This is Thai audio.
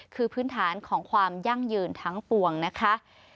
คือพื้นฐานของความยั่งยืนทั้งปวงนะคะ